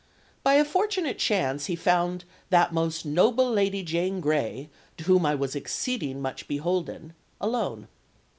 By a fortunate chance he found "that most noble Lady Jane Grey, to whom I was exceeding much beholden," alone.